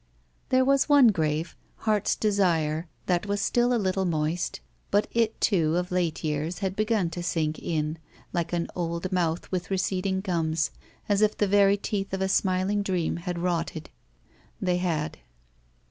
There was one grave, Heart's Desire, that was still a little moist. But it, too, of late years, had begun to sink in, like an old mouth with receding gums, as if the very teeth of a smiling dream had rotted. They had.